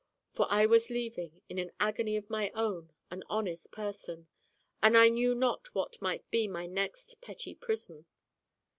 For I was leaving, in an agony of my own, an honest person. And I knew not what might be my next petty prison.